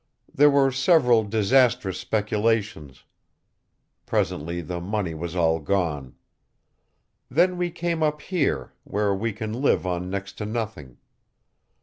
There were several disastrous speculations. Presently the money was all gone. Then we came up here, where we can live on next to nothing.